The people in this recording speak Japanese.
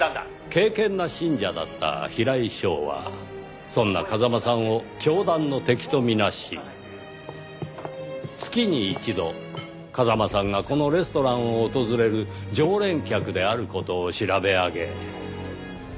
敬虔な信者だった平井翔はそんな風間さんを教団の敵と見なし月に一度風間さんがこのレストランを訪れる常連客である事を調べ上げ。